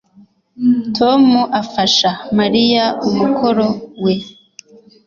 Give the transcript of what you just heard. Tom afasha Mariya umukoro we